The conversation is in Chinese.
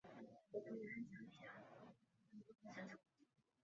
孙女诵琴嫁端亲王载漪之孙毓运。